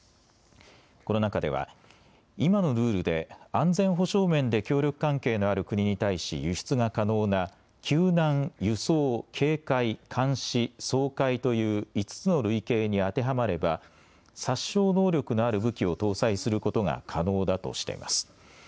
この中では今のルールで安全保障面で協力関係のある国に対し輸出が可能な救難、輸送、警戒、監視、掃海という５つの類型に当てはまれば殺傷能力のある武器を搭載することが可能だとしています。